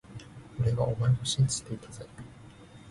俺はお前を信じていたぜ…